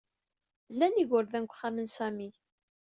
Llan yigerdan deg uxxam n Sami.